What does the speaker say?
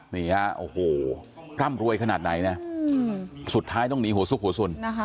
นี่ฮะโอ้โหร่ำรวยขนาดไหนนะสุดท้ายต้องหนีหัวซุกหัวสุน